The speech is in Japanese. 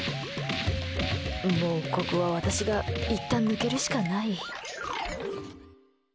もう、ここは私がいったん抜けるしかない。